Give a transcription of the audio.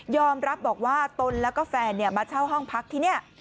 รับบอกว่าตนแล้วก็แฟนมาเช่าห้องพักที่นี่